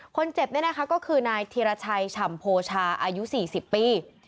คนเจ็บนี่นะคะก็คือนายธีรชัยฉ่ำโพชาอายุ๔๐ปี